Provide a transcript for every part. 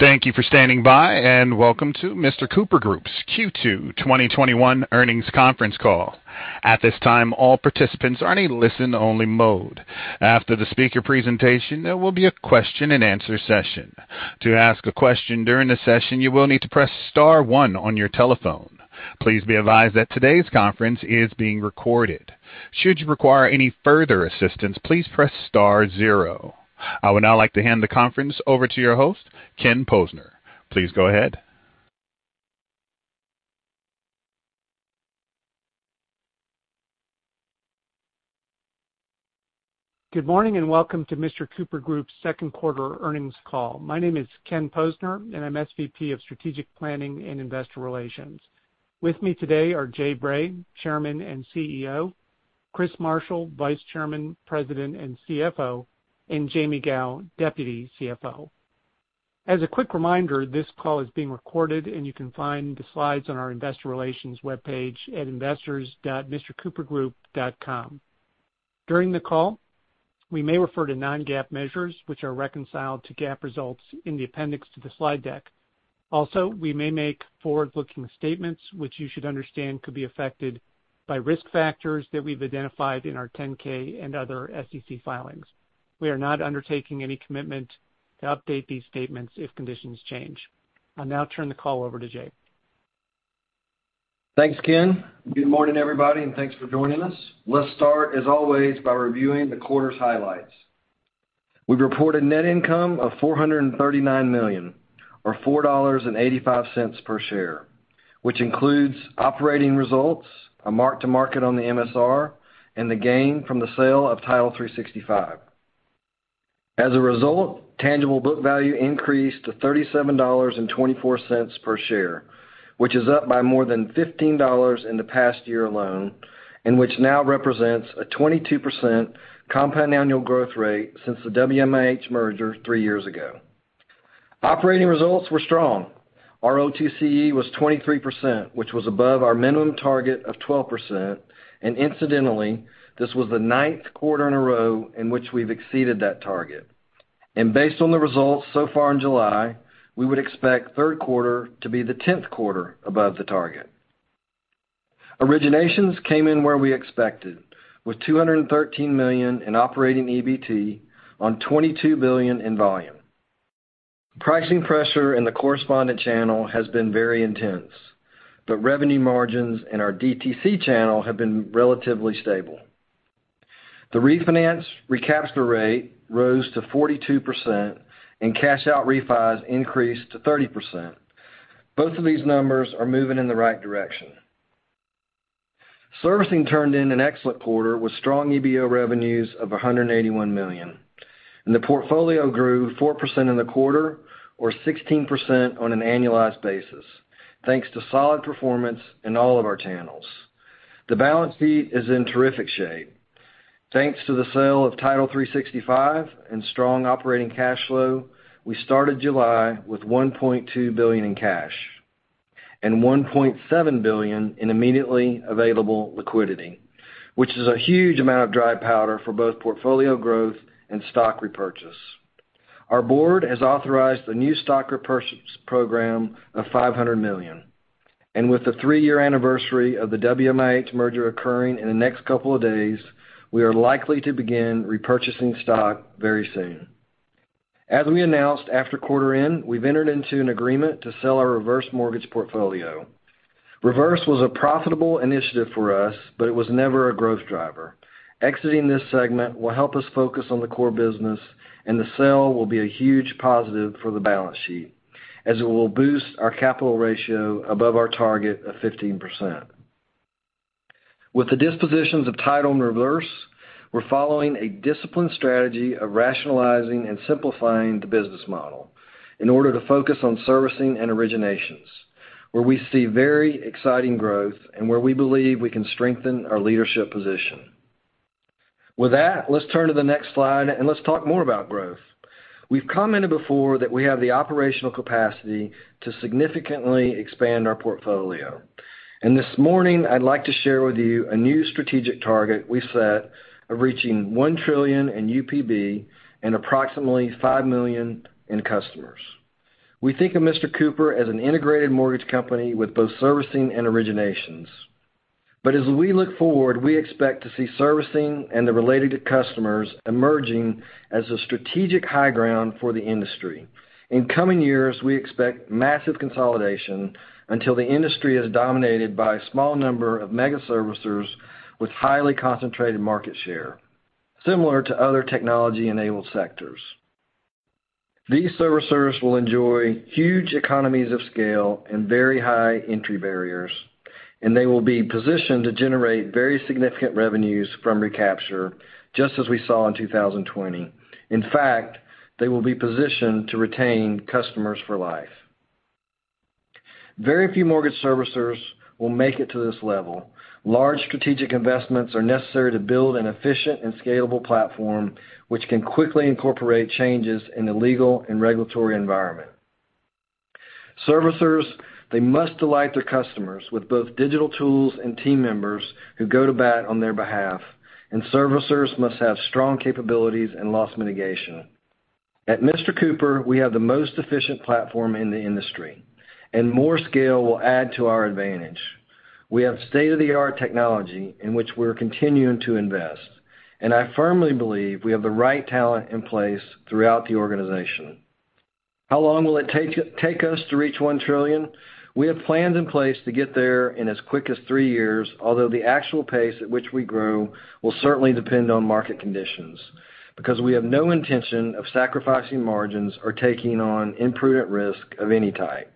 Thank you for standing by, and welcome to Mr. Cooper Group's Q2 2021 earnings conference call. At this time, all participants are in a listen-only mode. After the speaker's presentation, there will be a question-and-answer session. To ask a question during the session, you will need to press star one on your telephone. Please be advised that today's conference is being recorded. Should you require any further assistance, please press star zero. I would now like to hand the conference over to your host, Kenneth Posner. Please go ahead. Good morning, and welcome to Mr. Cooper Group's second-quarter earnings call. My name is Kenneth Posner, and I'm SVP of Strategic Planning and Investor Relations. With me today are Jay Bray, Chairman and CEO, Chris Marshall, Vice Chairman, President, and CFO, and Jaime Gow, Deputy CFO. As a quick reminder, this call is being recorded, and you can find the slides on our investor relations webpage at investors.mrcoopergroup.com. During the call, we may refer to non-GAAP measures which are reconciled to GAAP results in the appendix to the slide deck. Also, we may make forward-looking statements which you should understand could be affected by risk factors that we've identified in our 10-K and other SEC filings. We are not undertaking any commitment to update these statements if conditions change. I'll now turn the call over to Jay. Thanks, Ken. Good morning, everybody, and thanks for joining us. Let's start, as always, by reviewing the quarter's highlights. We've reported net income of $439 million or $4.85 per share, which includes operating results, a mark-to-market on the MSR, and the gain from the sale of Title365. As a result, tangible book value increased to $37.24 per share, which is up by more than $15 in the past year alone, and which now represents a 22% compound annual growth rate since the WMIH merger three years ago. Operating results were strong. Our ROTCE was 23%, which was above our minimum target of 12%, and incidentally, this was the ninth quarter in a row in which we've exceeded that target. Based on the results so far in July, we would expect third quarter to be the 10th quarter above the target. Originations came in where we expected with $213 million in operating EBT on $22 billion in volume. Pricing pressure in the correspondent channel has been very intense, but revenue margins in our DTC channel have been relatively stable. The refinance recapture rate rose to 42%, and cashout refis increased to 30%. Both of these numbers are moving in the right direction. Servicing turned in an excellent quarter with strong EBO revenues of $181 million, and the portfolio grew 4% in the quarter or 16% on an annualized basis, thanks to solid performance in all of our channels. The balance sheet is in terrific shape. Thanks to the sale of Title365 and strong operating cash flow, we started July with $1.2 billion in cash and $1.7 billion in immediately available liquidity, which is a huge amount of dry powder for both portfolio growth and stock repurchase. Our board has authorized a new stock repurchase program of $500 million, and with the three-year anniversary of the WMIH merger occurring in the next couple of days, we are likely to begin repurchasing stock very soon. As we announced after quarter-end, we've entered into an agreement to sell our reverse mortgage portfolio. Reverse was a profitable initiative for us, but it was never a growth driver. Exiting this segment will help us focus on the core business, and the sale will be a huge positive for the balance sheet as it will boost our capital ratio above our target of 15%. With the dispositions of Title and Reverse, we're following a disciplined strategy of rationalizing and simplifying the business model in order to focus on servicing and originations, where we see very exciting growth and where we believe we can strengthen our leadership position. With that, let's turn to the next slide and let's talk more about growth. We've commented before that we have the operational capacity to significantly expand our portfolio. This morning, I'd like to share with you a new strategic target we set of reaching $1 trillion in UPB and approximately 5 million in customers. We think of Mr. Cooper as an integrated mortgage company with both servicing and originations. As we look forward, we expect to see servicing and the related customers emerging as a strategic high ground for the industry. In coming years, we expect massive consolidation until the industry is dominated by a small number of mega-servicers with highly concentrated market share, similar to other technology-enabled sectors. These servicers will enjoy huge economies of scale and very high entry barriers, and they will be positioned to generate very significant revenues from recapture, just as we saw in 2020. In fact, they will be positioned to retain customers for life. Very few mortgage servicers will make it to this level. Large strategic investments are necessary to build an efficient and scalable platform which can quickly incorporate changes in the legal and regulatory environment. Servicers, they must delight their customers with both digital tools and team members who go to bat on their behalf, and servicers must have strong capabilities and loss mitigation. At Mr. Cooper, we have the most efficient platform in the industry, and more scale will add to our advantage. We have state-of-the-art technology in which we're continuing to invest, and I firmly believe we have the right talent in place throughout the organization. How long will it take us to reach $1 trillion? We have plans in place to get there in as quick as three years, although the actual pace at which we grow will certainly depend on market conditions, because we have no intention of sacrificing margins or taking on imprudent risk of any type.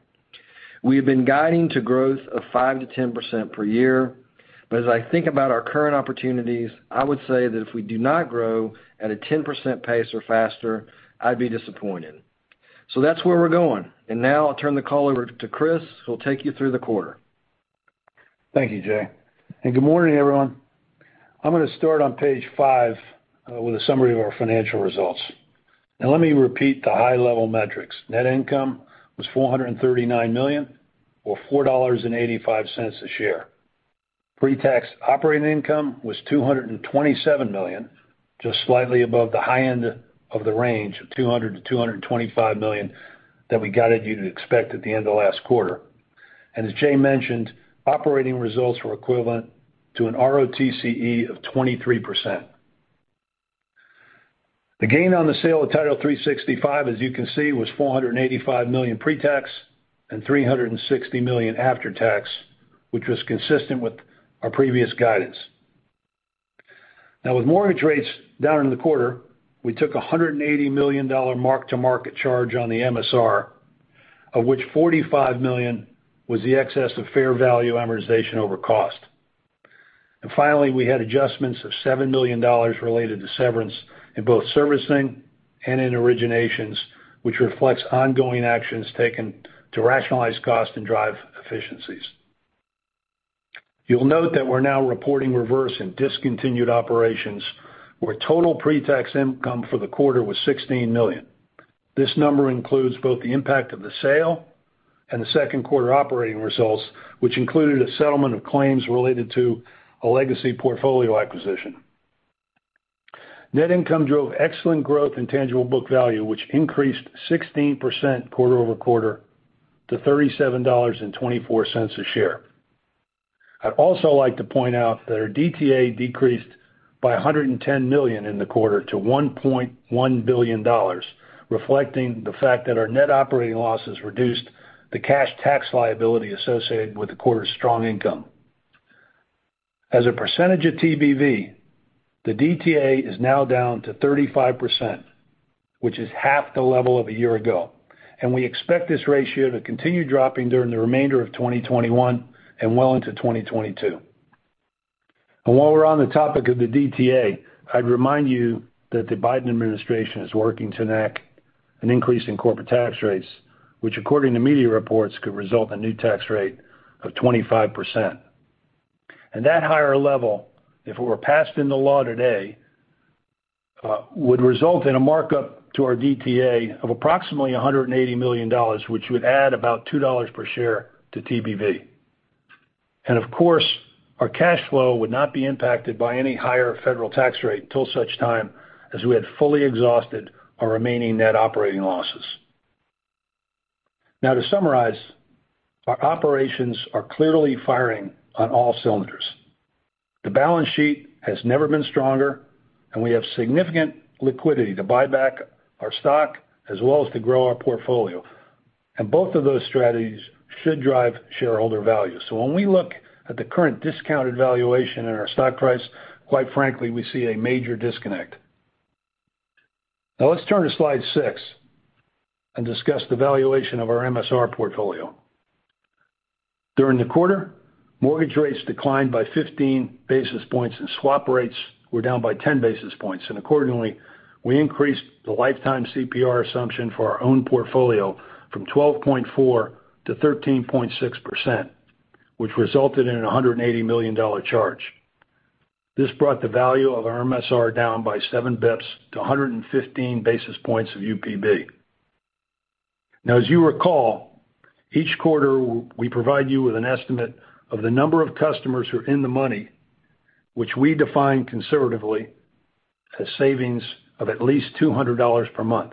We have been guiding to growth of 5%-10% per year. As I think about our current opportunities, I would say that if we do not grow at a 10% pace or faster, I'd be disappointed. That's where we're going. Now I'll turn the call over to Chris, who will take you through the quarter. Thank you, Jay, and good morning, everyone. I'm going to start on page 5 with a summary of our financial results. Let me repeat the high-level metrics. Net income was $439 million or $4.85 a share. Pre-tax operating income was $227 million, just slightly above the high end of the range of $200 million-$225 million that we guided you to expect at the end of last quarter. As Jay mentioned, operating results were equivalent to an ROTCE of 23%. The gain on the sale of Title365, as you can see, was $485 million pre-tax, and $360 million after tax, which was consistent with our previous guidance. With mortgage rates down in the quarter, we took $180 million mark-to-market charge on the MSR, of which $45 million was the excess of fair value amortization over cost. Finally, we had adjustments of $7 million related to severance in both servicing and in originations, which reflects ongoing actions taken to rationalize cost and drive efficiencies. You'll note that we're now reporting reverse in discontinued operations, where total pre-tax income for the quarter was $16 million. This number includes both the impact of the sale and the second quarter operating results, which included a settlement of claims related to a legacy portfolio acquisition. Net income drove excellent growth in tangible book value, which increased 16% quarter-over-quarter to $37.24 a share. I'd also like to point out that our DTA decreased by $110 million in the quarter to $1.1 billion, reflecting the fact that our net operating loss has reduced the cash tax liability associated with the quarter's strong income. As a percentage of TBV, the DTA is now down to 35%, which is half the level of a year ago, and we expect this ratio to continue dropping during the remainder of 2021 and well into 2022. While we're on the topic of the DTA, I'd remind you that the Biden administration is working to enact an increase in corporate tax rates, which according to media reports, could result in a new tax rate of 25%. At that higher level, if it were passed into law today, would result in a markup to our DTA of approximately $180 million, which would add about $2 per share to TBV. Of course, our cash flow would not be impacted by any higher federal tax rate until such time as we had fully exhausted our remaining net operating losses. Now to summarize, our operations are clearly firing on all cylinders. The balance sheet has never been stronger. We have significant liquidity to buy back our stock as well as to grow our portfolio. Both of those strategies should drive shareholder value. When we look at the current discounted valuation in our stock price, quite frankly, we see a major disconnect. Now let's turn to slide 6 and discuss the valuation of our MSR portfolio. During the quarter, mortgage rates declined by 15 basis points, and swap rates were down by 10 basis points. Accordingly, we increased the lifetime CPR assumption for our own portfolio from 12.4% to 13.6%, which resulted in a $180 million charge. This brought the value of our MSR down by 7 basis points to 115 basis points of UPB. As you recall, each quarter, we provide you with an estimate of the number of customers who are in the money, which we define conservatively as savings of at least $200 per month.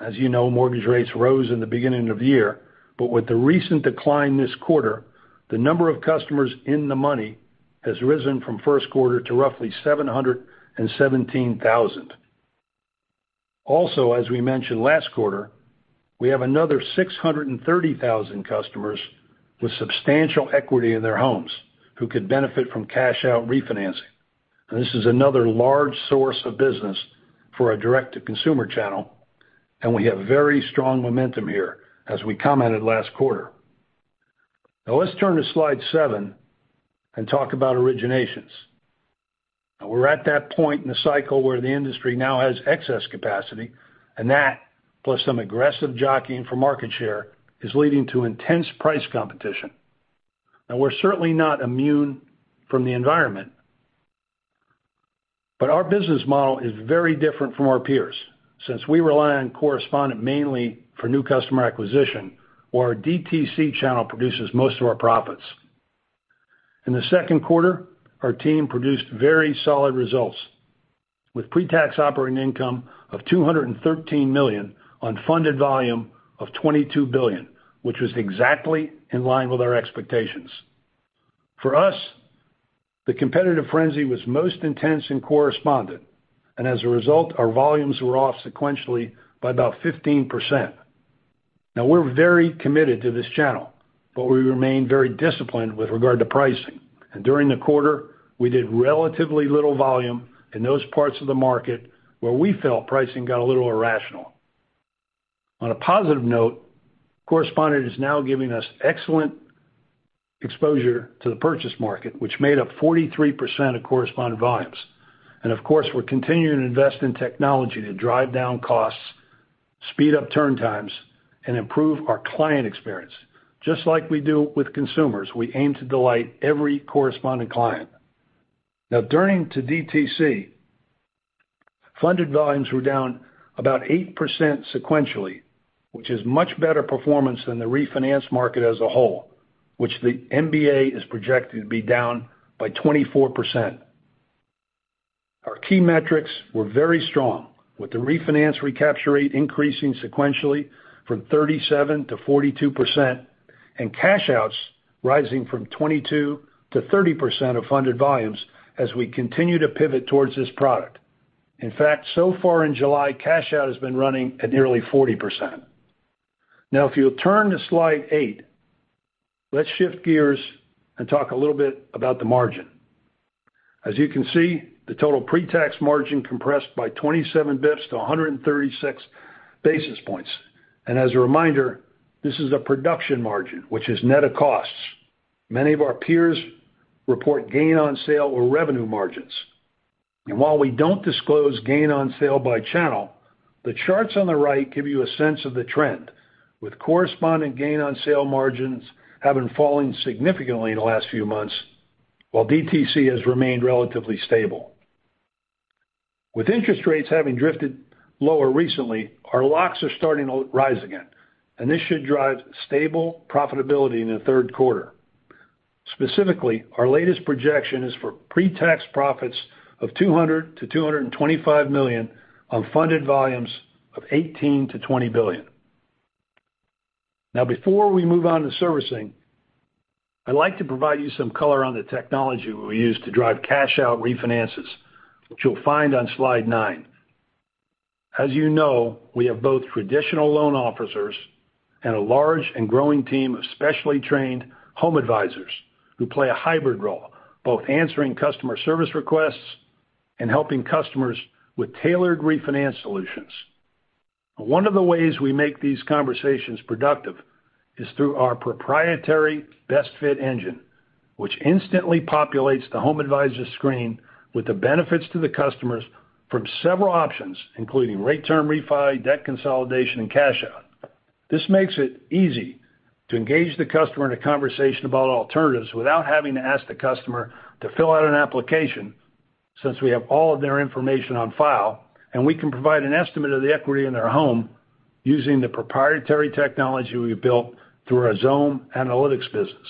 As you know, mortgage rates rose in the beginning of the year, but with the recent decline this quarter, the number of customers in the money has risen from the first quarter to roughly 717,000. As we mentioned last quarter, we have another 630,000 customers with substantial equity in their homes who could benefit from cash-out refinancing. This is another large source of business for our direct-to-consumer channel, and we have very strong momentum here, as we commented last quarter. Let's turn to slide 7 and talk about originations. We're at that point in the cycle where the industry now has excess capacity, and that, plus some aggressive jockeying for market share, is leading to intense price competition. We're certainly not immune from the environment. But our business model is very different from our peers, since we rely on correspondent mainly for new customer acquisition, while our DTC channel produces most of our profits. In the second quarter, our team produced very solid results, with pre-tax operating income of $213 million on funded volume of $22 billion, which was exactly in line with our expectations. For us, the competitive frenzy was most intense in correspondent, and as a result, our volumes were off sequentially by about 15%. We're very committed to this channel, but we remain very disciplined with regard to pricing. During the quarter, we did relatively little volume in those parts of the market where we felt pricing got a little irrational. On a positive note, correspondent is now giving us excellent exposure to the purchase market, which made up 43% of correspondent volumes. Of course, we're continuing to invest in technology to drive down costs, speed up turn times, and improve our client experience. Just like we do with consumers, we aim to delight every correspondent client. Turning to DTC, funded volumes were down about 8% sequentially, which is much better performance than the refinance market as a whole, which the MBA is projected to be down by 24%. Our key metrics were very strong, with the refinance recapture rate increasing sequentially from 37% to 42%, and cash outs rising from 22% to 30% of funded volumes as we continue to pivot towards this product. In fact, so far in July, cash out has been running at nearly 40%. If you'll turn to slide 8, let's shift gears and talk a little bit about the margin. As you can see, the total pre-tax margin compressed by 27 basis points to 136 basis points. As a reminder, this is a production margin, which is net of costs. Many of our peers report gain on sale or revenue margins. While we don't disclose gain on sale by channel, the charts on the right give you a sense of the trend, with correspondent gain on sale margins having fallen significantly in the last few months, while DTC has remained relatively stable. With interest rates having drifted lower recently, our locks are starting to rise again, and this should drive stable profitability in the third quarter. Specifically, our latest projection is for pre-tax profits of $200 million-$225 million on funded volumes of $18 billion-$20 billion. Before we move on to servicing, I'd like to provide you some color on the technology we use to drive cash-out refinances, which you'll find on slide 9. As you know, we have both traditional loan officers and a large and growing team of specially trained home advisors who play a hybrid role, both answering customer service requests and helping customers with tailored refinance solutions. One of the ways we make these conversations productive is through our proprietary Best Fit engine, which instantly populates the home advisor's screen with the benefits to the customers from several options, including rate term refi, debt consolidation, and cash out. This makes it easy to engage the customer in a conversation about alternatives without having to ask the customer to fill out an application, since we have all of their information on file, and we can provide an estimate of the equity in their home using the proprietary technology we've built through our Xome Analytics business.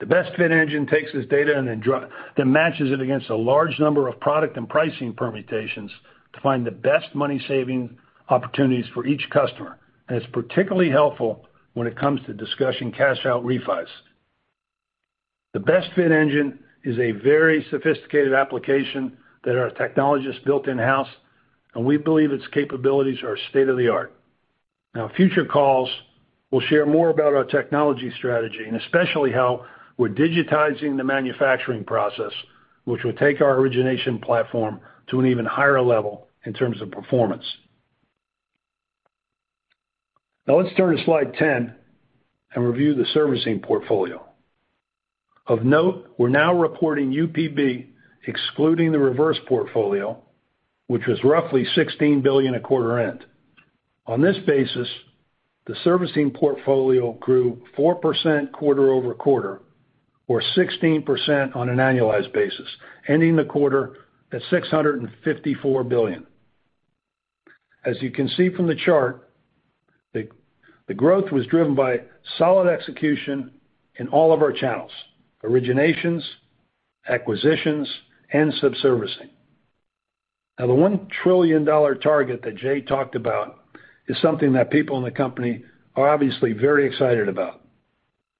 The Best Fit engine takes this data and then matches it against a large number of product and pricing permutations to find the best money-saving opportunities for each customer, and it's particularly helpful when it comes to discussing cash-out refis. The Best Fit engine is a very sophisticated application that our technologists built in-house, and we believe its capabilities are state-of-the-art. Future calls will share more about our technology strategy, and especially how we're digitizing the manufacturing process, which will take our origination platform to an even higher level in terms of performance. Let's turn to slide 10 and review the servicing portfolio. Of note, we're now reporting UPB, excluding the reverse portfolio, which was roughly $16 billion at quarter end. On this basis, the servicing portfolio grew 4% quarter-over-quarter, or 16% on an annualized basis, ending the quarter at $654 billion. As you can see from the chart, the growth was driven by solid execution in all of our channels, originations, acquisitions, and subservicing. The $1 trillion target that Jay talked about is something that people in the company are obviously very excited about.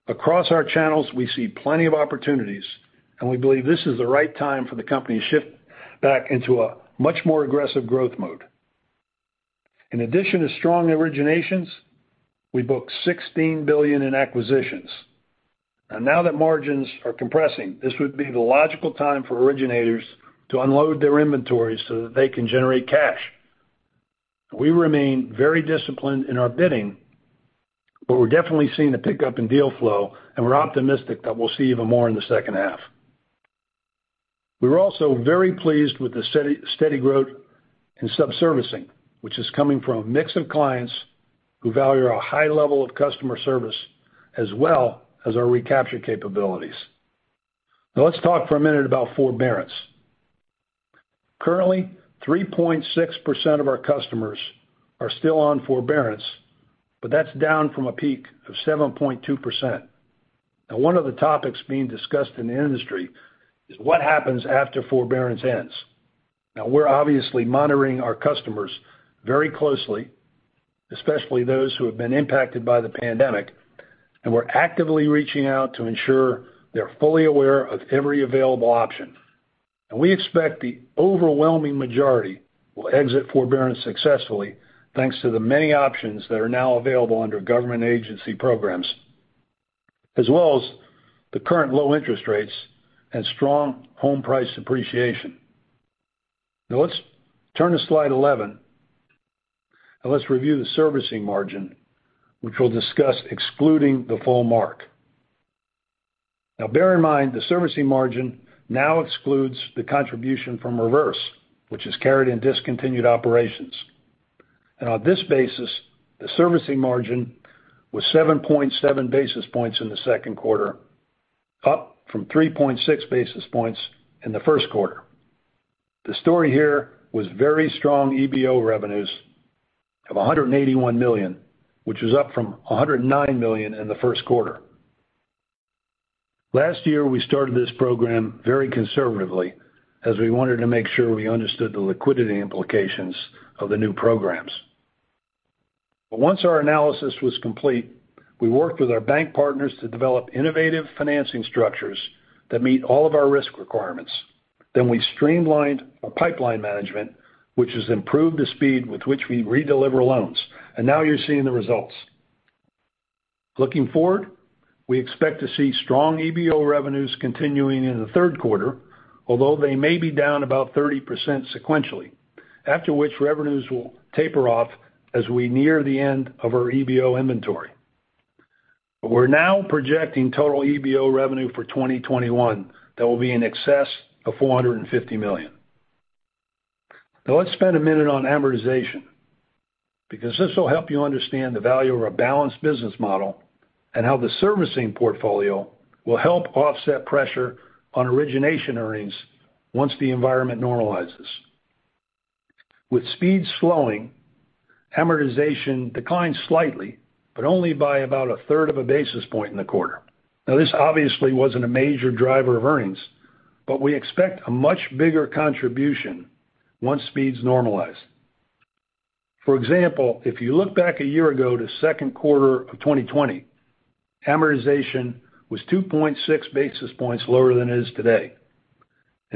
Across our channels, we see plenty of opportunities, and we believe this is the right time for the company to shift back into a much more aggressive growth mode. In addition to strong originations, we booked $16 billion in acquisitions. Now that margins are compressing, this would be the logical time for originators to unload their inventories so that they can generate cash. We remain very disciplined in our bidding, but we're definitely seeing a pickup in deal flow, and we're optimistic that we'll see even more in the second half. We're also very pleased with the steady growth and servicing, which is coming from a mix of clients who value our high level of customer service as well as our recapture capabilities. Let's talk for a minute about forbearance. Currently, 3.6% of our customers are still on forbearance, but that's down from a peak of 7.2%. One of the topics being discussed in the industry is what happens after forbearance ends. We're obviously monitoring our customers very closely, especially those who have been impacted by the pandemic, and we're actively reaching out to ensure they're fully aware of every available option. We expect the overwhelming majority will exit forbearance successfully thanks to the many options that are now available under government agency programs. As well as the current low interest rates and strong home price appreciation. Let's turn to slide 11, and let's review the servicing margin, which we'll discuss excluding the full mark. Bear in mind, the servicing margin now excludes the contribution from Reverse, which is carried in discontinued operations. On this basis, the servicing margin was 7.7 basis points in the second quarter, up from 3.6 basis points in the first quarter. The story here was very strong EBO revenues of $181 million, which was up from $109 million in the first quarter. Last year, we started this program very conservatively as we wanted to make sure we understood the liquidity implications of the new programs. Once our analysis was complete, we worked with our bank partners to develop innovative financing structures that meet all of our risk requirements. We streamlined our pipeline management, which has improved the speed with which we redeliver loans. Now you're seeing the results. Looking forward, we expect to see strong EBO revenues continuing in the third quarter, although they may be down about 30% sequentially. After which revenues will taper off as we near the end of our EBO inventory. We're now projecting total EBO revenue for 2021 that will be in excess of $450 million. Now let's spend a minute on amortization because this will help you understand the value of a balanced business model and how the servicing portfolio will help offset pressure on origination earnings once the environment normalizes. With speeds slowing, amortization declined slightly, but only by about a third of a basis point in the quarter. Now this obviously wasn't a major driver of earnings, but we expect a much bigger contribution once speeds normalize. For example, if you look back a year ago to second quarter of 2020, amortization was 2.6 basis points lower than it is today.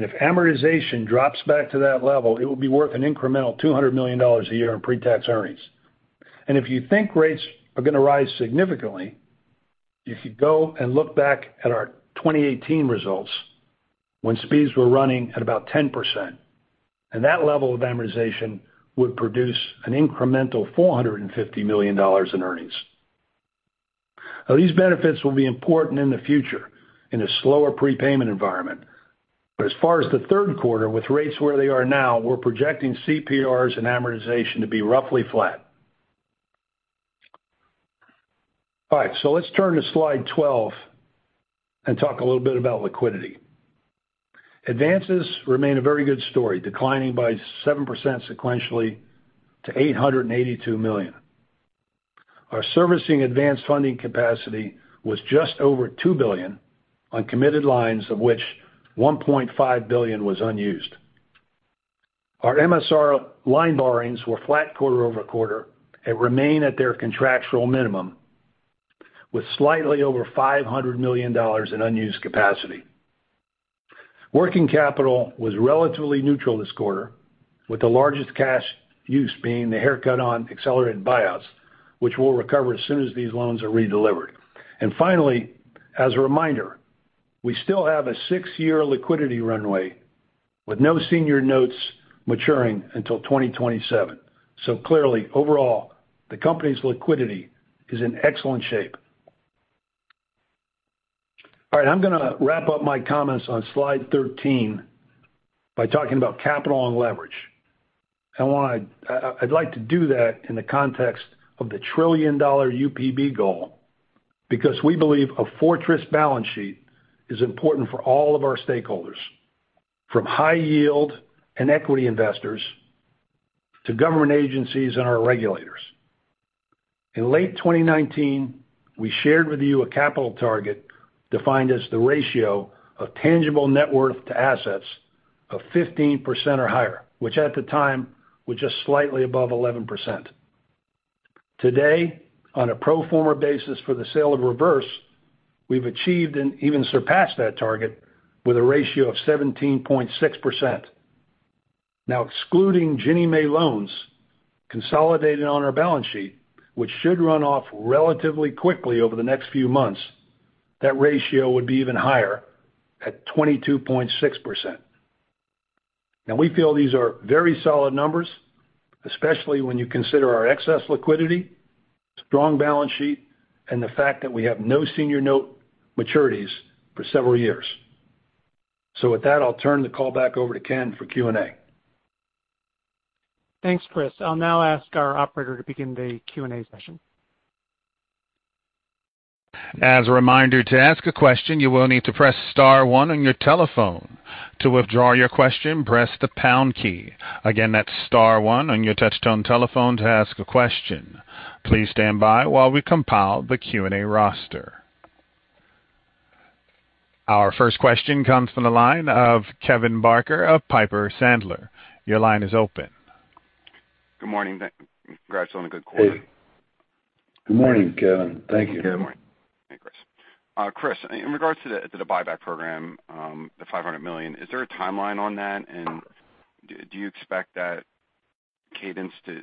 If amortization drops back to that level, it will be worth an incremental $200 million a year in pre-tax earnings. If you think rates are going to rise significantly, you could go and look back at our 2018 results when speeds were running at about 10%, and that level of amortization would produce an incremental $450 million in earnings. These benefits will be important in the future in a slower prepayment environment. As far as the third quarter, with rates where they are now, we're projecting CPRs and amortization to be roughly flat. All right. Let's turn to slide 12 and talk a little bit about liquidity. Advances remain a very good story, declining by 7% sequentially to $882 million. Our servicing advance funding capacity was just over $2 billion on committed lines of which $1.5 billion was unused. Our MSR line borrowings were flat quarter-over-quarter and remain at their contractual minimum with slightly over $500 million in unused capacity. Working capital was relatively neutral this quarter, with the largest cash use being the haircut on accelerated buyouts, which we'll recover as soon as these loans are redelivered. Finally, as a reminder, we still have a six-year liquidity runway with no senior notes maturing until 2027. Clearly, overall, the company's liquidity is in excellent shape. All right, I'm going to wrap up my comments on slide 13 by talking about capital and leverage. I'd like to do that in the context of the trillion-dollar UPB goal because we believe a fortress balance sheet is important for all of our stakeholders, from high-yield and equity investors to government agencies and our regulators. In late 2019, we shared with you a capital target defined as the ratio of tangible net worth to assets of 15% or higher, which at the time was just slightly above 11%. Today, on a pro forma basis for the sale of Reverse, we've achieved and even surpassed that target with a ratio of 17.6%. Excluding Ginnie Mae loans consolidated on our balance sheet, which should run off relatively quickly over the next few months, that ratio would be even higher at 22.6%. We feel these are very solid numbers, especially when you consider our excess liquidity, strong balance sheet, and the fact that we have no senior note maturities for several years. With that, I'll turn the call back over to Ken for Q&A. Thanks, Chris. I'll now ask our operator to begin the Q&A session. As a reminder, to ask a question, you will need to press star one on your telephone. To withdraw your question, press the pound key. Again, that's star one on your touch-tone telephone to ask a question. Please stand by while we compile the Q&A roster. Our first question comes from the line of Kevin Barker of Piper Sandler. Your line is open. Good morning. Congrats on a good quarter. Hey. Good morning, Kevin. Thank you. Good morning. Hey, Chris. Chris, in regards to the buyback program, the $500 million, is there a timeline on that? Do you expect that cadence to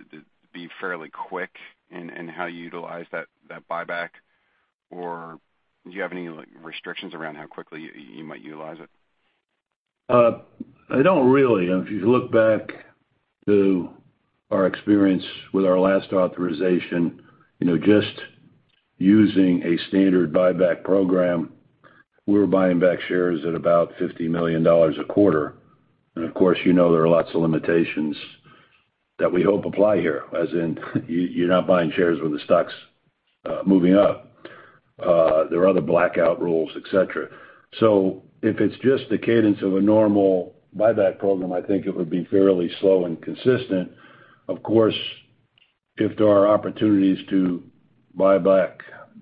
be fairly quick in how you utilize that buyback, or do you have any restrictions around how quickly you might utilize it? I don't really. If you look back to our experience with our last authorization, just using a standard buyback program, we were buying back shares at about $50 million a quarter. Of course, you know there are lots of limitations that we hope apply here, as in you're not buying shares when the stock's moving up. There are other blackout rules, et cetera. If it's just the cadence of a normal buyback program, I think it would be fairly slow and consistent. Of course, if there are opportunities to buy back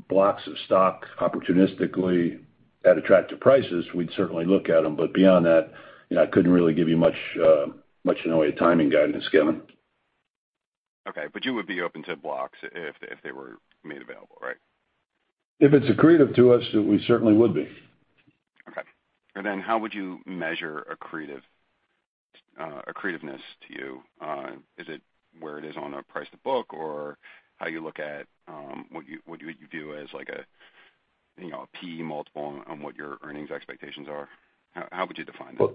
blocks of stock opportunistically at attractive prices, we'd certainly look at them. Beyond that, I couldn't really give you much in the way of timing guidance, Kevin. Okay. You would be open to blocks if they were made available, right? If it's accretive to us, we certainly would be. Okay. How would you measure accretiveness to you? Is it where it is on a price-to-book or how you look at, what you do as like a PE multiple on what your earnings expectations are? How would you define that?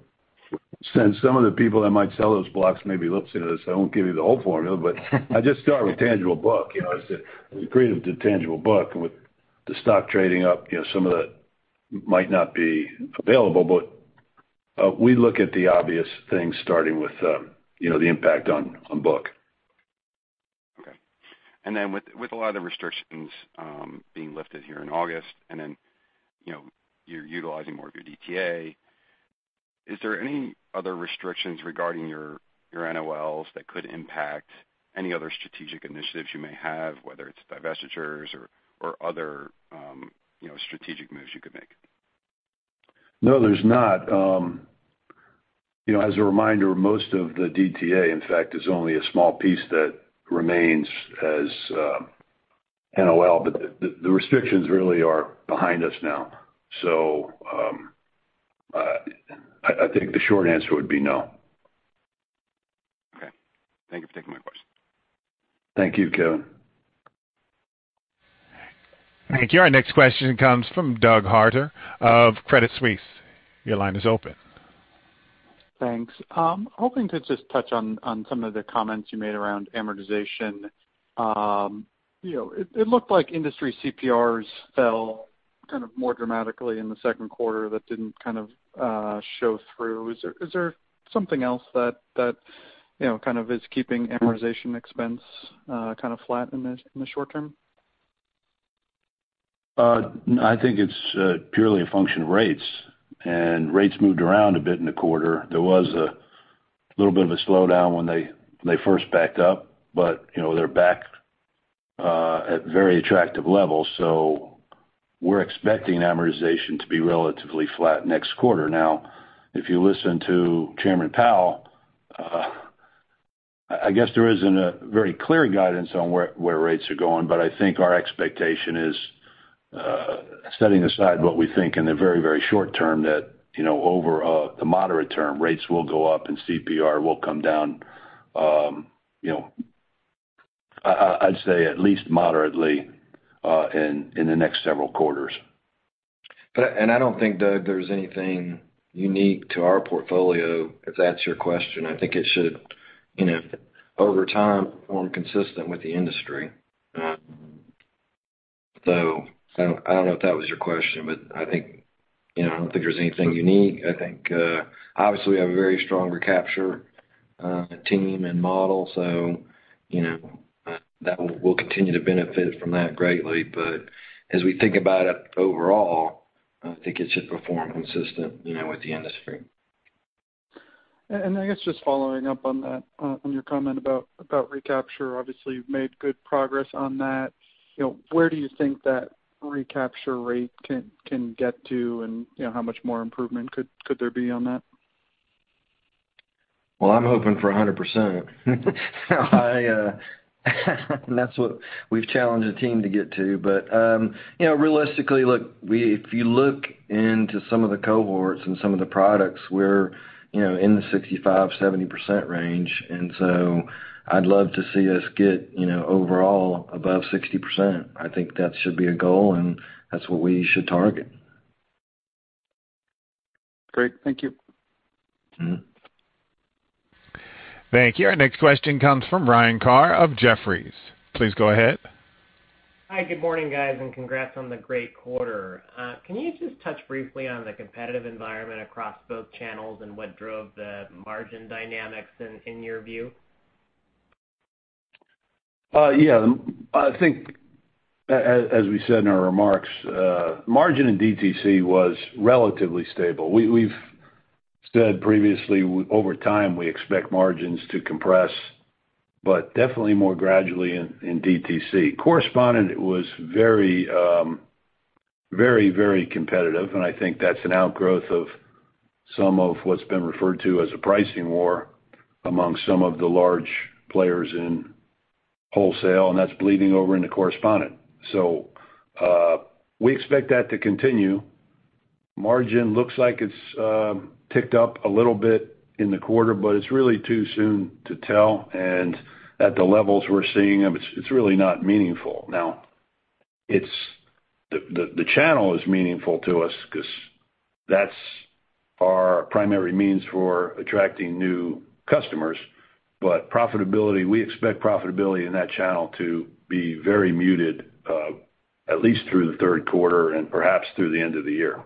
Since some of the people that might sell those blocks maybe listen to this, I won't give you the whole formula, but I'd just start with tangible book. I say accretive to tangible book. With the stock trading up, some of that might not be available, but we look at the obvious things, starting with the impact on book. Okay. With a lot of the restrictions being lifted here in August, and then you're utilizing more of your DTA, is there any other restrictions regarding your NOLs that could impact any other strategic initiatives you may have, whether it's divestitures or other strategic moves you could make? No, there's not. As a reminder, most of the DTA, in fact, is only a small piece that remains as NOL, but the restrictions really are behind us now. I think the short answer would be no. Okay. Thank you for taking my question. Thank you, Kevin. Thank you. Our next question comes from Doug Harter of Credit Suisse. Your line is open. Thanks. Hoping to just touch on some of the comments you made around amortization. It looked like industry CPRs fell kind of more dramatically in the second quarter that didn't kind of show through. Is there something else that kind of is keeping amortization expense kind of flat in the short-term? I think it's purely a function of rates, and rates moved around a bit in the quarter. There was a little bit of a slowdown when they first backed up, but they're back at very attractive levels. We're expecting amortization to be relatively flat next quarter. Now, if you listen to Chairman Powell, I guess there isn't a very clear guidance on where rates are going, but I think our expectation is, setting aside what we think in the very short-term, that over the moderate term, rates will go up and CPR will come down, I'd say at least moderately in the next several quarters. I don't think, Doug, there's anything unique to our portfolio, if that's your question. I think it should, over time, perform consistent with the industry. I don't know if that was your question, but I don't think there's anything unique. I think, obviously, we have a very strong recapture team and model, so we'll continue to benefit from that greatly. As we think about it overall, I think it should perform consistent with the industry. I guess just following up on that, on your comment about recapture, obviously you've made good progress on that. Where do you think that recapture rate can get to, and how much more improvement could there be on that? Well, I'm hoping for 100%. That's what we've challenged the team to get to. Realistically, if you look into some of the cohorts and some of the products, we're in the 65%-70% range. I'd love to see us get overall above 60%. I think that should be a goal, and that's what we should target. Great. Thank you. Thank you. Our next question comes from Ryan Carr of Jefferies. Please go ahead. Hi. Good morning, guys, and congrats on the great quarter. Can you just touch briefly on the competitive environment across both channels and what drove the margin dynamics in your view? Yeah. I think as we said in our remarks, margin in DTC was relatively stable. We've said previously, over time, we expect margins to compress, but definitely more gradually in DTC. Correspondent was very competitive, and I think that's an outgrowth of some of what's been referred to as a pricing war among some of the large players in wholesale, and that's bleeding over into correspondent. We expect that to continue. Margin looks like it's ticked up a little bit in the quarter, but it's really too soon to tell, and at the levels we're seeing them, it's really not meaningful. Now, the channel is meaningful to us because that's our primary means for attracting new customers. Profitability, we expect profitability in that channel to be very muted, at least through the third quarter and perhaps through the end of the year.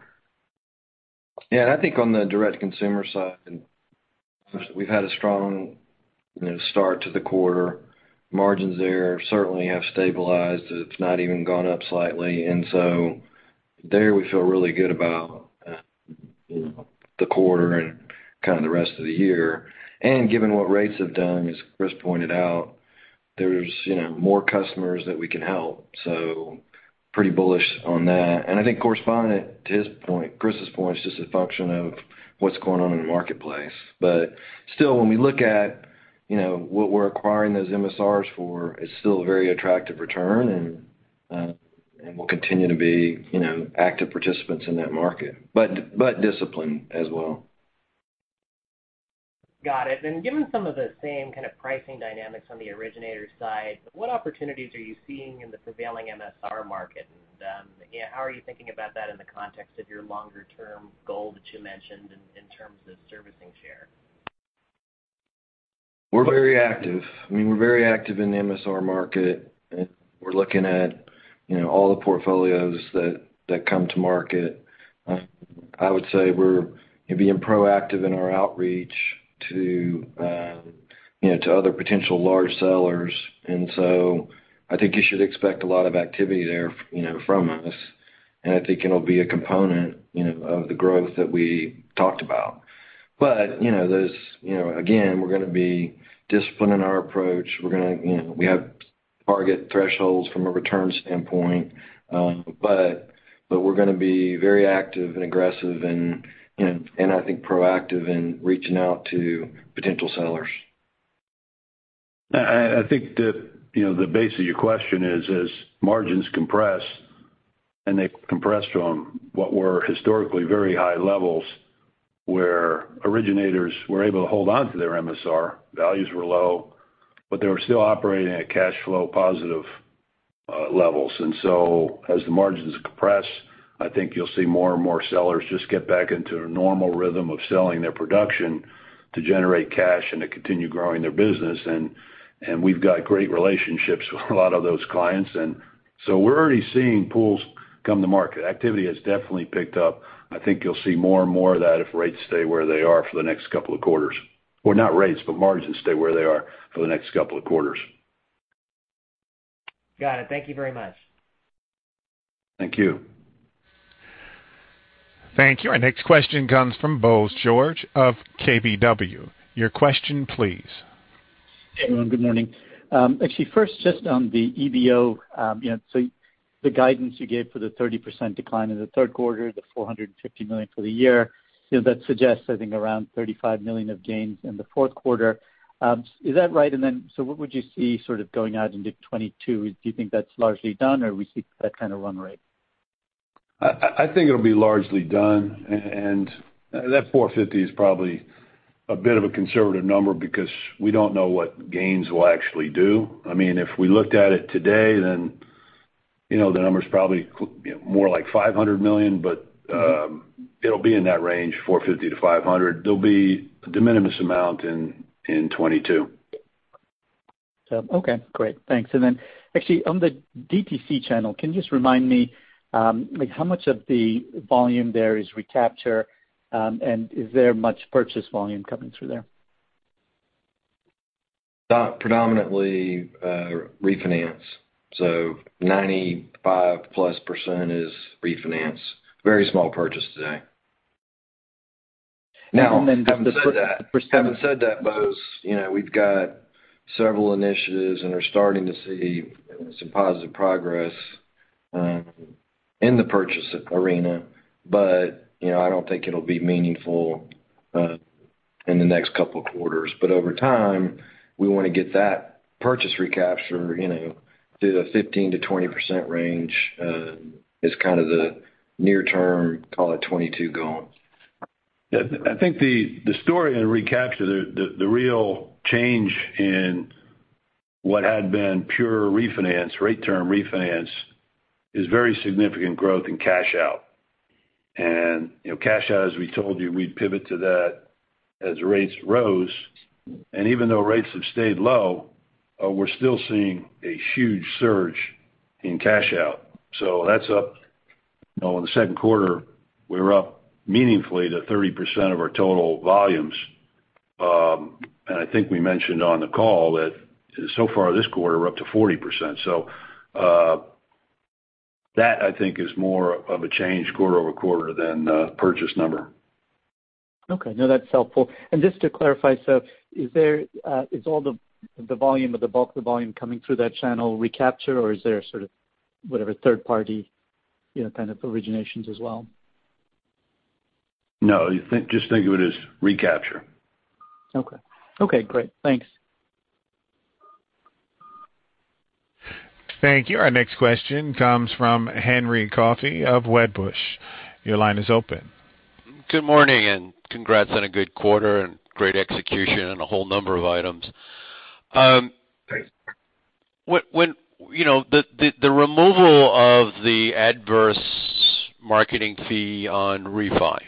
Yeah, I think on the direct-to-consumer side, we've had a strong start to the quarter. Margins there certainly have stabilized. It's not even gone up slightly. There, we feel really good about the quarter and kind of the rest of the year. Given what rates have done, as Chris pointed out, there's more customers that we can help. Pretty bullish on that. I think correspondent, to Chris's point, it's just a function of what's going on in the marketplace. Still, when we look at what we're acquiring those MSRs for, it's still a very attractive return, and we'll continue to be active participants in that market, but disciplined as well. Got it. Given some of the same kind of pricing dynamics on the originator side, what opportunities are you seeing in the prevailing MSR market? How are you thinking about that in the context of your longer-term goal that you mentioned in terms of servicing share? We're very active. We're very active in the MSR market. We're looking at all the portfolios that come to market. I would say we're being proactive in our outreach to other potential large sellers. I think you should expect a lot of activity there from us, and I think it'll be a component of the growth that we talked about. Again, we're going to be disciplined in our approach. We have target thresholds from a return standpoint. We're going to be very active and aggressive, and I think proactive in reaching out to potential sellers. I think the base of your question is, as margins compress, they compressed from what were historically very high levels where originators were able to hold onto their MSR. Values were low, they were still operating at cash flow positive levels. As the margins compress, I think you'll see more and more sellers just get back into a normal rhythm of selling their production to generate cash and to continue growing their business. We've got great relationships with a lot of those clients. We're already seeing pools come to market. Activity has definitely picked up. I think you'll see more and more of that if rates stay where they are for the next couple of quarters, not rates, but margins stay where they are for the next couple of quarters. Got it. Thank you very much. Thank you. Thank you. Our next question comes from Bose George of KBW. Your question, please. Hey, everyone. Good morning. First, just on the EBO. The guidance you gave for the 30% decline in the third quarter, the $450 million for the year, that suggests I think around $35 million of gains in the fourth quarter. Is that right? What would you see sort of going out into 2022? Do you think that's largely done or we see that kind of run rate? I think it'll be largely done. That $450 is probably a bit of a conservative number because we don't know what gains will actually do. If we looked at it today, the number's probably more like $500 million, but it'll be in that range, $450-$500. There'll be a de minimis amount in 2022. Okay, great. Thanks. Then actually on the DTC channel, can you just remind me, how much of the volume there is recapture, and is there much purchase volume coming through there? Predominantly refinance. 95%+ is refinance. Very small purchase today. And then the percent- Having said that, Bose, we've got several initiatives, and we're starting to see some positive progress in the purchase arena. I don't think it'll be meaningful in the next couple of quarters. Over time, we want to get that purchase recapture to the 15%-20% range as kind of the near-term, call it 2022 goal. Yeah. I think the story in recapture, the real change in what had been pure refinance, rate term refinance, is very significant growth in cash out. Cash out, as we told you, we'd pivot to that as rates rose. Even though rates have stayed low, we're still seeing a huge surge in cash out. That's up. In the second quarter, we were up meaningfully to 30% of our total volumes. I think we mentioned on the call that so far this quarter, we're up to 40%. That I think is more of a change quarter-over-quarter than purchase number. Okay. No, that's helpful. Just to clarify, is all the volume or the bulk of the volume coming through that channel recapture, or is there sort of, whatever third-party kind of originations as well? No, just think of it as recapture. Okay. Okay, great. Thanks. Thank you. Our next question comes from Henry Coffey of Wedbush. Your line is open. Good morning, and congrats on a good quarter and great execution on a whole number of items. Thanks. The removal of the Adverse Market Refinance Fee on refi,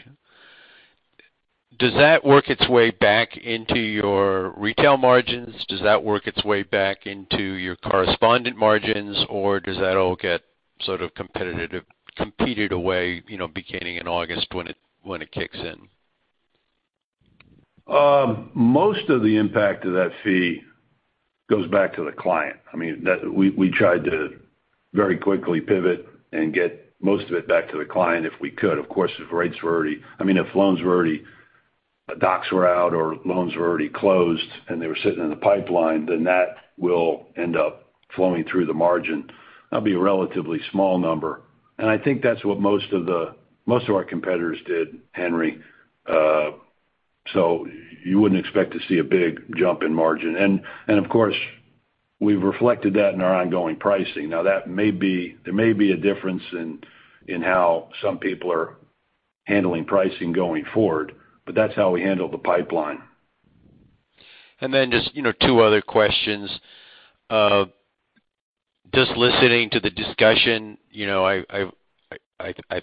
does that work its way back into your retail margins? Does that work its way back into your correspondent margins, or does that all get sort of competed away beginning in August when it kicks in? Most of the impact of that fee goes back to the client. We tried to very quickly pivot and get most of it back to the client if we could. Of course, if loans were already, docs were out or loans were already closed and they were sitting in the pipeline, then that will end up flowing through the margin. That'd be a relatively small number. I think that's what most of our competitors did, Henry. You wouldn’t expect to see a big jump in margin. Of course, we've reflected that in our ongoing pricing. Now there may be a difference in how some people are handling pricing going forward, but that's how we handle the pipeline. Just two other questions. Just listening to the discussion, I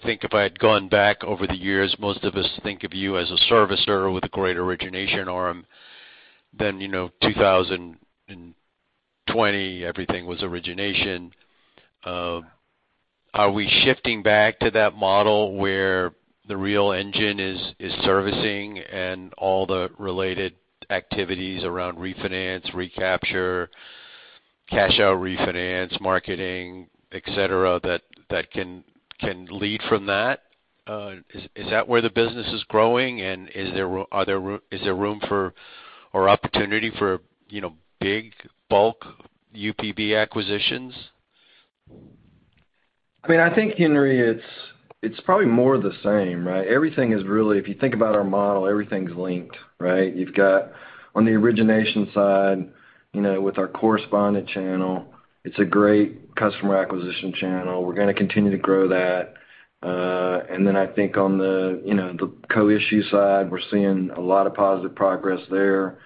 think if I had gone back over the years, most of us think of you as a servicer with a great origination arm. 2020, everything was origination. Are we shifting back to that model where the real engine is servicing and all the related activities around refinance, recapture, cash out refinance, marketing, et cetera, that can lead from that? Is that where the business is growing, and is there room for or opportunity for big bulk UPB acquisitions? I think, Henry, it's probably more of the same, right? Everything is really, if you think about our model, everything's linked, right? You've got on the origination side with our correspondent channel, it's a great customer acquisition channel. We're going to continue to grow that. Then I think on the co-issue side, we're seeing a lot of positive progress there.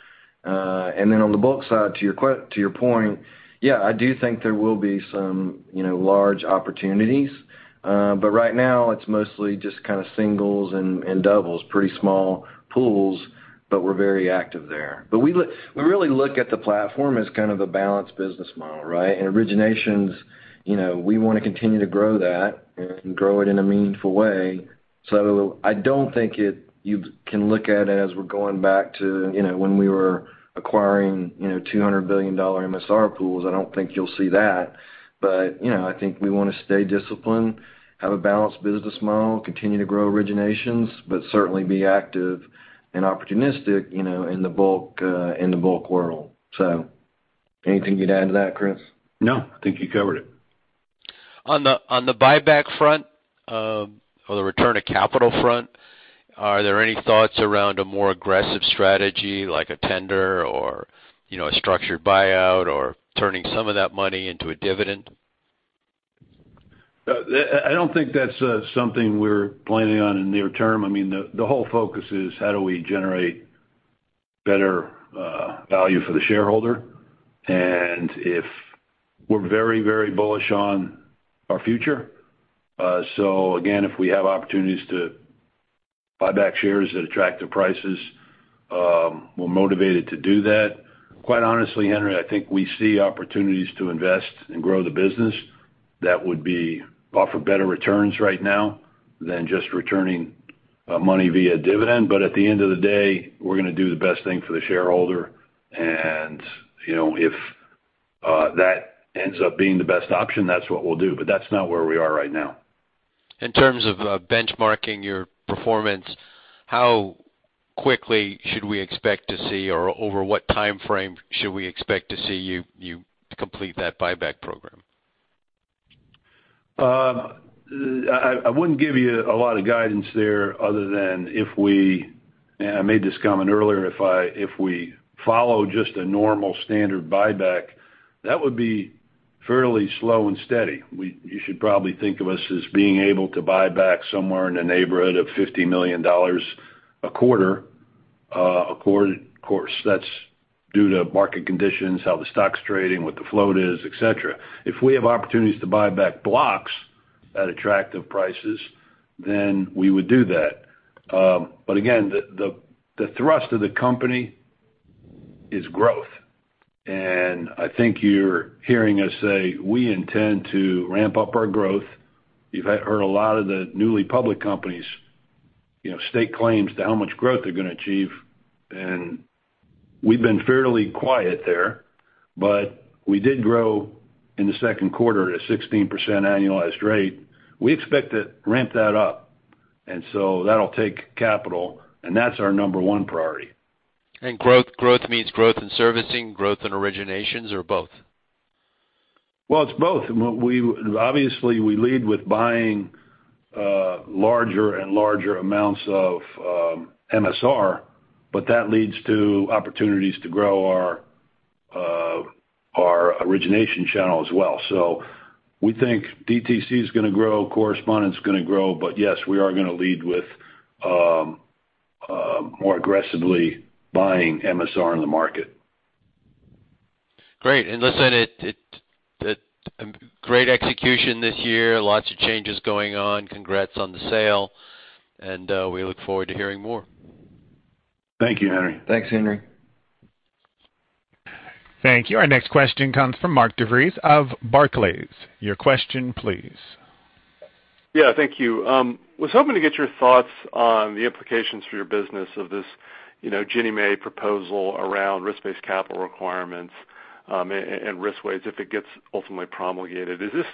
Then on the bulk side, to your point, yeah, I do think there will be some large opportunities. Right now it's mostly just kind of singles and doubles. Pretty small pools, but we're very active there. We really look at the platform as kind of a balanced business model, right? Originations, we want to continue to grow that, and grow it in a meaningful way. I don't think you can look at it as we're going back to when we were acquiring $200 billion MSR pools. I don't think you'll see that. I think we want to stay disciplined, have a balanced business model, continue to grow originations, but certainly be active and opportunistic in the bulk world. Anything you'd add to that, Chris? No, I think you covered it. On the buyback front, or the return of capital front, are there any thoughts around a more aggressive strategy like a tender or a structured buyout or turning some of that money into a dividend? I don't think that's something we're planning on in the near term. The whole focus is how do we generate better value for the shareholder. We're very bullish on our future. Again, if we have opportunities to buy back shares at attractive prices, we're motivated to do that. Quite honestly, Henry, I think we see opportunities to invest and grow the business that would offer better returns right now than just returning money via dividend. At the end of the day, we're going to do the best thing for the shareholder. If that ends up being the best option, that's what we'll do. That's not where we are right now. In terms of benchmarking your performance, how quickly should we expect to see, or over what time frame should we expect to see you complete that buyback program? I wouldn't give you a lot of guidance there other than if we, and I made this comment earlier, if we follow just a normal standard buyback, that would be fairly slow and steady. You should probably think of us as being able to buy back somewhere in the neighborhood of $50 million a quarter. Of course, that's due to market conditions, how the stock's trading, what the float is, et cetera. If we have opportunities to buy back blocks at attractive prices, we would do that. Again, the thrust of the company is growth. I think you're hearing us say we intend to ramp up our growth. You've heard a lot of the newly public companies state claims to how much growth they're going to achieve, we've been fairly quiet there. We did grow in the second quarter at a 16% annualized rate. We expect to ramp that up, and so that'll take capital, and that's our number one priority. Growth means growth in servicing, growth in originations, or both? Well, it's both. Obviously, we lead with buying larger and larger amounts of MSR, but that leads to opportunities to grow our origination channel as well. We think DTC is going to grow, correspondent is going to grow, but yes, we are going to lead with more aggressively buying MSR in the market. Great. Listen, great execution this year. Lots of changes going on. Congrats on the sale. We look forward to hearing more. Thank you, Henry. Thanks, Henry. Thank you. Our next question comes from Mark DeVries of Barclays. Your question, please. Yeah, thank you. Was hoping to get your thoughts on the implications for your business of this Ginnie Mae proposal around risk-based capital requirements and risk weights if it gets ultimately promulgated. Is this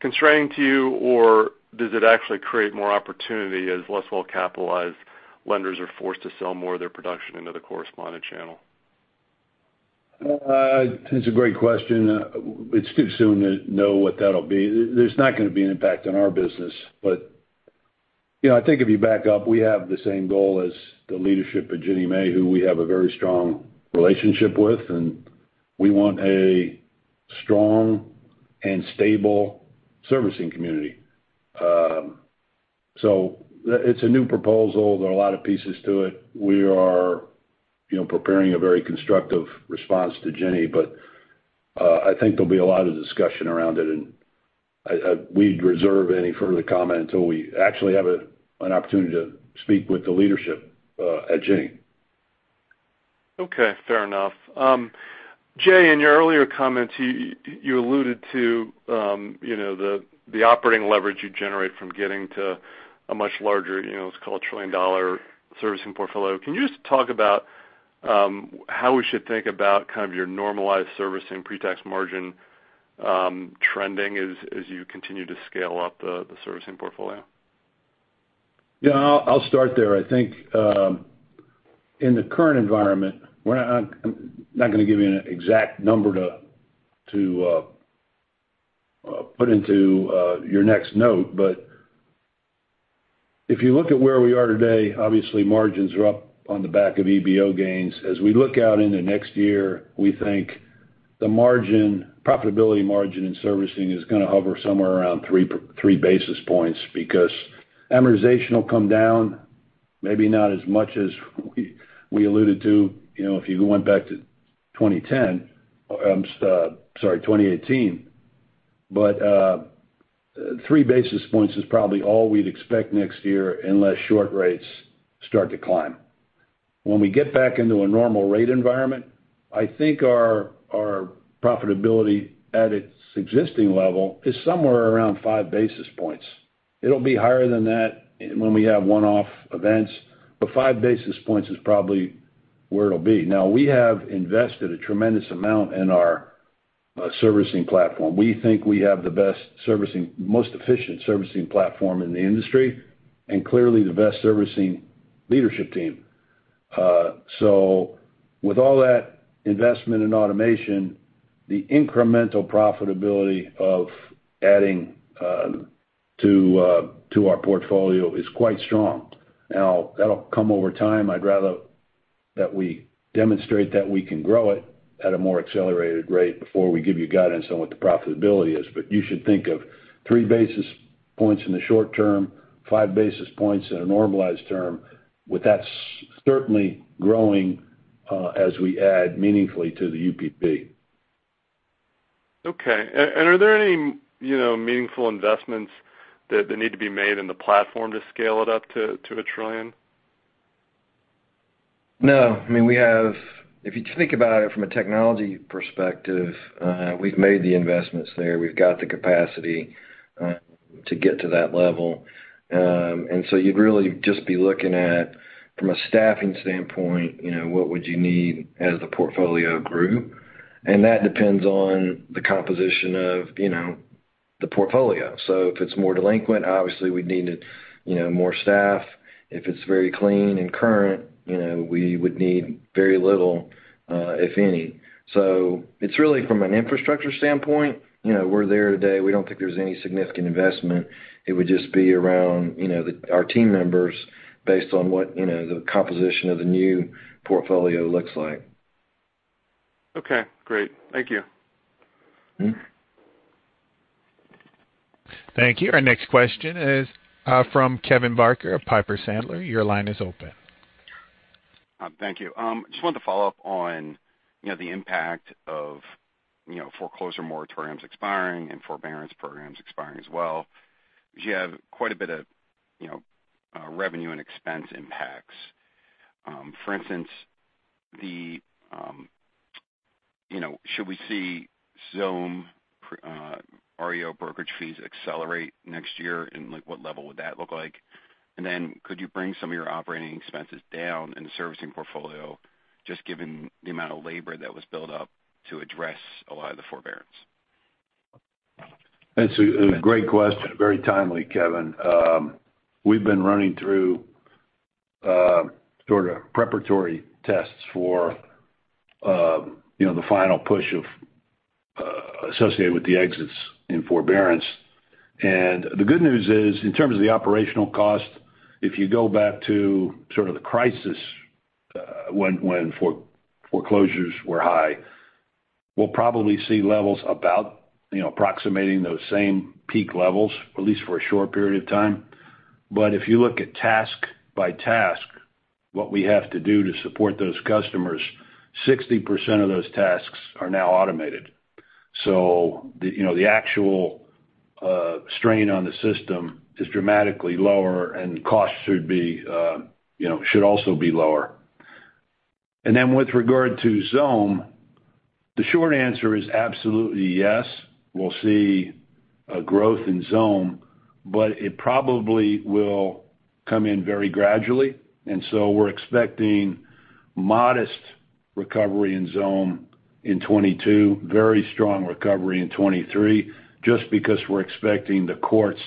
constraining to you, or does it actually create more opportunity as less well-capitalized lenders are forced to sell more of their production into the correspondent channel? It's a great question. It's too soon to know what that'll be. There's not going to be an impact on our business. I think if you back up, we have the same goal as the leadership at Ginnie Mae, who we have a very strong relationship with, and we want a strong and stable servicing community. It's a new proposal. There are a lot of pieces to it. We are preparing a very constructive response to Ginnie, but I think there'll be a lot of discussion around it, and we'd reserve any further comment until we actually have an opportunity to speak with the leadership at Ginnie. Okay, fair enough. Jay, in your earlier comments, you alluded to the operating leverage you generate from getting to a much larger, let's call it a trillion-dollar servicing portfolio. Can you just talk about how we should think about kind of your normalized servicing pre-tax margin trending as you continue to scale up the servicing portfolio? Yeah, I'll start there. I think in the current environment, I'm not going to give you an exact number to put into your next note, but if you look at where we are today, obviously margins are up on the back of EBO gains. As we look out into next year, we think the profitability margin in servicing is going to hover somewhere around 3 basis points because amortization will come down, maybe not as much as we alluded to if you went back to 2018. 3 basis points is probably all we'd expect next year unless short rates start to climb. When we get back into a normal rate environment, I think our profitability at its existing level is somewhere around 5 basis points. It'll be higher than that when we have one-off events, but 5 basis points is probably where it'll be. We have invested a tremendous amount in our servicing platform. We think we have the most efficient servicing platform in the industry, and clearly the best servicing leadership team. With all that investment in automation, the incremental profitability of adding to our portfolio is quite strong. That'll come over time. I'd rather that we demonstrate that we can grow it at a more accelerated rate before we give you guidance on what the profitability is. You should think of 3 basis points in the short term, 5 basis points in a normalized term, with that certainly growing as we add meaningfully to the UPB. Okay. Are there any meaningful investments that need to be made in the platform to scale it up to $1 trillion? No. If you think about it from a technology perspective, we've made the investments there. We've got the capacity to get to that level. You'd really just be looking at, from a staffing standpoint, what would you need as the portfolio grew. That depends on the composition of the portfolio. If it's more delinquent, obviously we'd need more staff. If it's very clean and current, we would need very little, if any. It's really from an infrastructure standpoint, we're there today. We don't think there's any significant investment. It would just be around our team members based on what the composition of the new portfolio looks like. Okay, great. Thank you. Thank you. Our next question is from Kevin Barker of Piper Sandler. Your line is open. Thank you. Just wanted to follow up on the impact of foreclosure moratoriums expiring and forbearance programs expiring as well. You have quite a bit of revenue and expense impacts. For instance, should we see Xome REO brokerage fees accelerate next year? What level would that look like? Could you bring some of your operating expenses down in the servicing portfolio, just given the amount of labor that was built up to address a lot of the forbearance? That's a great question. Very timely, Kevin. We've been running through sort of preparatory tests for the final push associated with the exits in forbearance. The good news is, in terms of the operational cost, if you go back to sort of the crisis, when foreclosures were high, we'll probably see levels about approximating those same peak levels, at least for a short period of time. If you look at task by task, what we have to do to support those customers, 60% of those tasks are now automated. The actual strain on the system is dramatically lower, and costs should also be lower. With regard to Xome, the short answer is absolutely yes, we'll see a growth in Xome, but it probably will come in very gradually. We're expecting modest recovery in Xome in 2022, very strong recovery in 2023, just because we're expecting the courts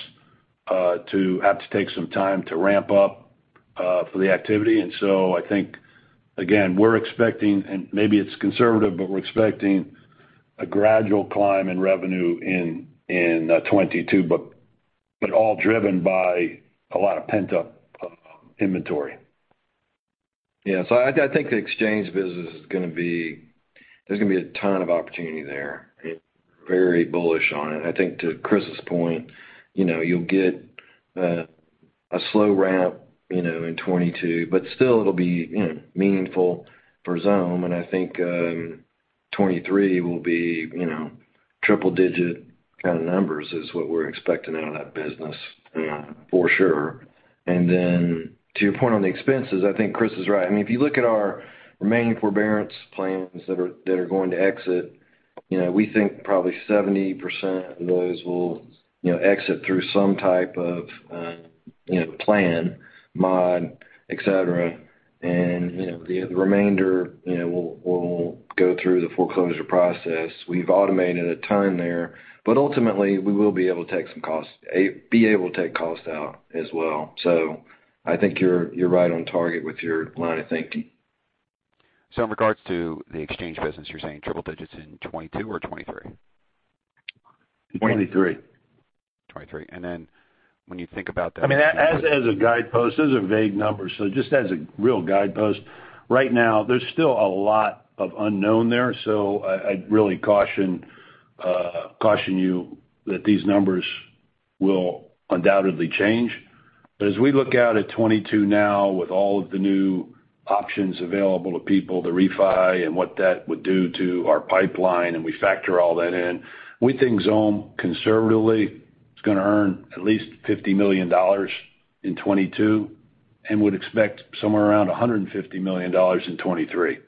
to have to take some time to ramp up for the activity. I think, again, we're expecting, and maybe it's conservative, but we're expecting a gradual climb in revenue in 2022, but all driven by a lot of pent-up inventory. Yeah. I think the exchange business, there's going to be a ton of opportunity there. Very bullish on it. I think to Chris's point, you'll get a slow ramp in 2022, but still it'll be meaningful for Xome. I think 2023 will be triple-digit kind of numbers, is what we're expecting out of that business for sure. To your point on the expenses, I think Chris is right. If you look at our remaining forbearance plans that are going to exit, we think probably 70% of those will exit through some type of plan, mod, et cetera. The remainder will go through the foreclosure process. We've automated a ton there. Ultimately, we will be able to take costs out as well. I think you're right on target with your line of thinking. In regards to the exchange business, you're saying triple digits in 2022 or 2023? 2023. 2023. And then when you think about the- As a guidepost, those are vague numbers. Just as a real guidepost, right now, there's still a lot of unknown there. I'd really caution you that these numbers will undoubtedly change. As we look out at 2022 now with all of the new options available to people, the refi and what that would do to our pipeline, and we factor all that in, we think Xome conservatively is going to earn at least $50 million in 2022, and would expect somewhere around $150 million in 2023.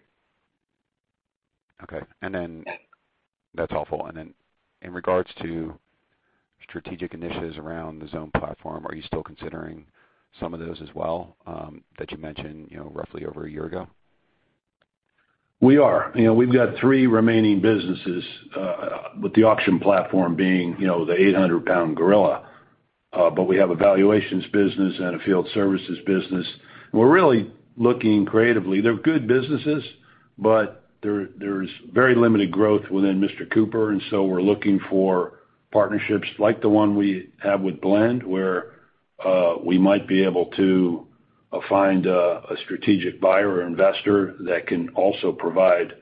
Okay. That's helpful. In regards to strategic initiatives around the Xome platform, are you still considering some of those as well that you mentioned roughly over a year ago? We are. We've got three remaining businesses, with the auction platform being the 800-pound gorilla. We have a valuations business and a field services business, and we're really looking creatively. They're good businesses, but there's very limited growth within Mr. Cooper. We're looking for partnerships like the one we have with Blend, where we might be able to find a strategic buyer or investor that can also provide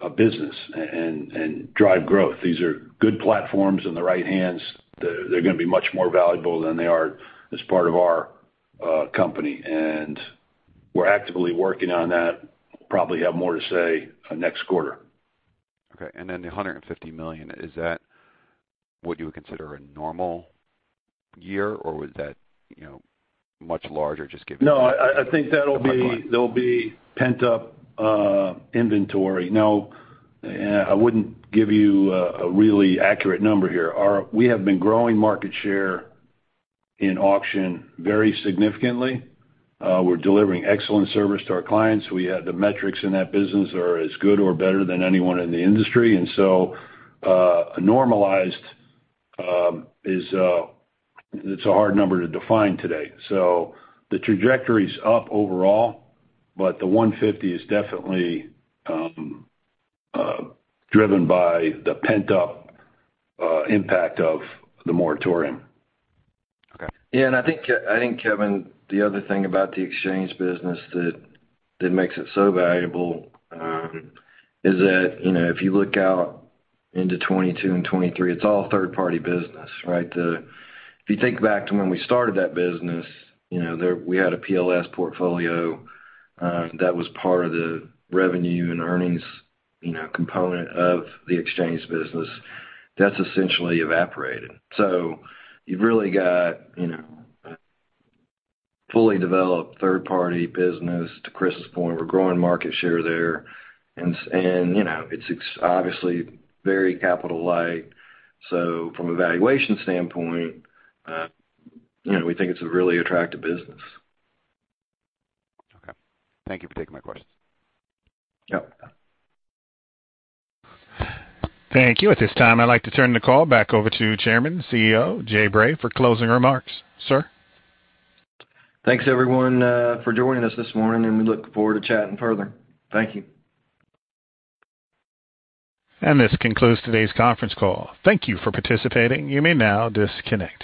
a business and drive growth. These are good platforms. In the right hands, they're going to be much more valuable than they are as part of our company. We're actively working on that. We probably have more to say next quarter. Okay. Then the $150 million, is that what you would consider a normal year, or was that much larger just given the pipeline? No, I think that'll be pent-up inventory. No, I wouldn't give you a really accurate number here. We have been growing market share in auction very significantly. We're delivering excellent service to our clients. The metrics in that business are as good or better than anyone in the industry. Normalized, it's a hard number to define today. The trajectory's up overall, but the 150 is definitely driven by the pent-up impact of the moratorium. Okay. Yeah, I think, Kevin, the other thing about the exchange business that makes it so valuable is that if you look out into 2022 and 2023, it's all third-party business, right? If you think back to when we started that business, we had a PLS portfolio that was part of the revenue and earnings component of the exchange business. That's essentially evaporated. You've really got a fully developed third-party business. To Chris's point, we're growing market share there. It's obviously very capital-light. From a valuation standpoint, we think it's a really attractive business. Okay. Thank you for taking my questions. Yep. Thank you. At this time, I'd like to turn the call back over to Chairman and CEO, Jay Bray, for closing remarks. Sir? Thanks, everyone, for joining us this morning, and we look forward to chatting further. Thank you. This concludes today's conference call. Thank you for participating. You may now disconnect.